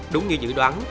đúng như dự đoán